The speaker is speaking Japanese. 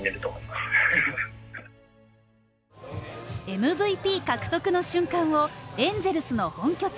ＭＶＰ獲得の瞬間をエンゼルスの本拠地